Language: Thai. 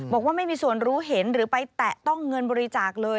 บอกว่าไม่มีส่วนรู้เห็นหรือไปแตะต้องเงินบริจาคเลย